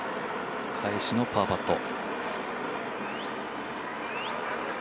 返しのパーパット。